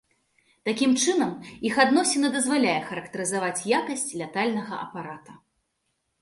Такім чынам, іх адносіна дазваляе характарызаваць якасць лятальнага апарата.